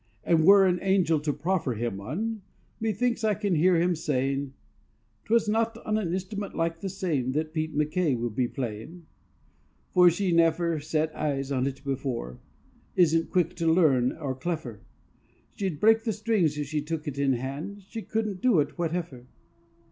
And were an angel to proffer him one, Methinks I can hear him saying: "'Twas not on an instrument like the same That Pete MacKay will be playing, "For she neffer set eyes on it before, Isn't quick to learn, or cleffer; She'd break the strings if she took it in hand, She couldn't do it, whateffer.